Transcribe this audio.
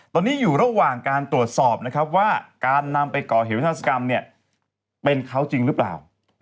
ตอนนี้อยู่ระหว่างการตรวจสอบนะครับว่าการนำไปก่อเหตุวิทัศกรรมเป็นเขาจริงหรือเปล่า